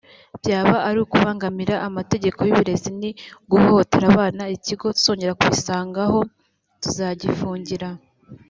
byaba ari ukubangamira amategeko y’uburezi ni uguhohotera abana ikigo tuzongera kubisangaho tuzagifungira”